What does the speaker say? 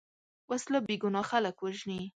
وسله بېګناه خلک وژني